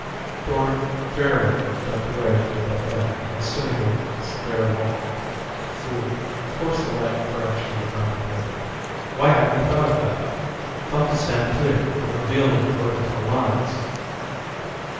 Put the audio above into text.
Thorn fairly jumped away from the buffet and stood against bare wall. Fool! Of course the light refraction would not be perfect! Why hadn't he thought of that thought to stand clear of revealing vertical lines!